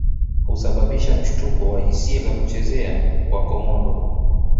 Husababisha mshtuko wa hisia za kuchezea kwa Komodo